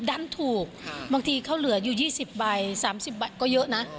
ดันถูกบางทีเขาเหลืออยู่๒๐ใบ๓๐ใบก็เยอะนะ